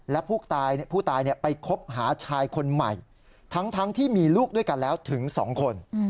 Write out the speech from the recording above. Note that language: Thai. และผู้ตายไปคบหาชายคนใหม่ทั้งที่มีลูกด้วยกันแล้วถึง๒คน